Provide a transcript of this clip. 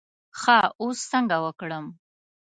ښه اوس څنګه وکړم.